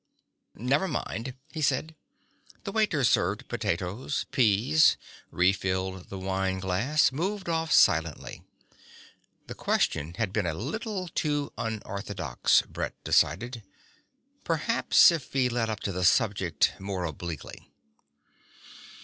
"Never mind," he said. The waiter served potatoes, peas, refilled the wine glass, moved off silently. The question had been a little too unorthodox, Brett decided. Perhaps if he led up to the subject more obliquely